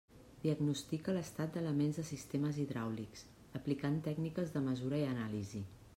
Diagnostica l'estat d'elements de sistemes hidràulics, aplicant tècniques de mesura i anàlisi.